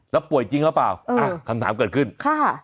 แล้วป่วยจริงหรือเปล่าอ่ะคำถามเกิดขึ้นค่ะ